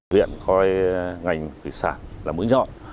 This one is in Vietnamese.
viện coi ngành thủy sản là mũi nhọn